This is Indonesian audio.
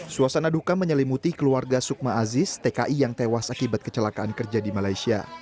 suasana duka menyelimuti keluarga sukma aziz tki yang tewas akibat kecelakaan kerja di malaysia